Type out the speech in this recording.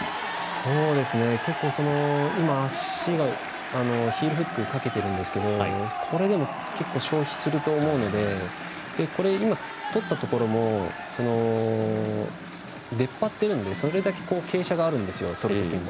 結構、今、足がヒールフックかけてるんですけどこれでも消費すると思うので今、とったところも出っ張ってるんでそれだけ傾斜があるんですよ。